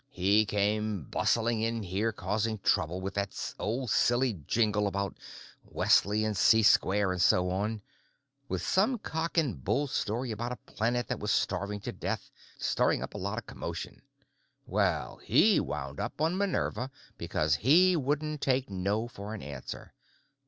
He came bustling in here causing trouble, with that old silly jingle about Wesley and C square and so on, with some cock and bull story about a planet that was starving to death, stirring up a lot of commotion. Well, he wound up on 'Minerva,' because he wouldn't take no for an answer.